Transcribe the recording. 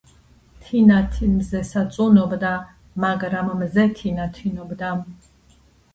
თინათინ მზესა წუნობდა, მაგრამ მზე თინათინობდა